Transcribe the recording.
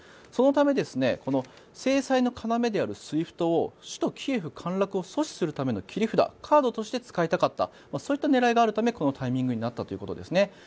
そのため、制裁の要であるＳＷＩＦＴを首都キエフ陥落を阻止するための切り札カードとして使いたかったそういった狙いがあるためこのタイミングになったということですね。